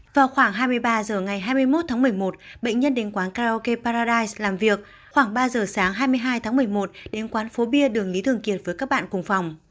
vào khoảng hai mươi ba h ngày hai mươi một tháng một mươi một bệnh nhân đến quán karaoke paradrais làm việc khoảng ba giờ sáng hai mươi hai tháng một mươi một đến quán phố bia đường lý thường kiệt với các bạn cùng phòng